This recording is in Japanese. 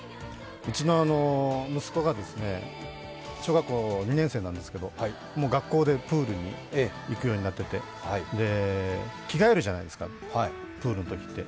うちの息子が小学２年生なんですけれども、もう学校でプールに行くようになってて着替えるじゃないですか、プールのときって。